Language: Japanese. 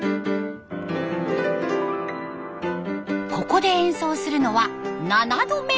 ここで演奏するのは７度目。